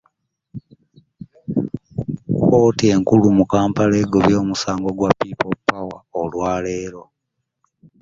Kkooti enkulu mu Kampala egobye omusango gwa People Power olwa leero.